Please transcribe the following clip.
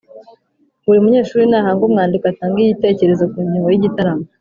buri munyeshuri nahange umwandiko atange ibitekerezo ku ngingo y’igitaramo